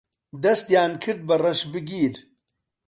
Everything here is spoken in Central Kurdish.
دەستیان کرد بە ڕەشبگیر